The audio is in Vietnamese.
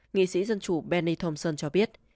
nghị sĩ dân chủ benny thompson cho biết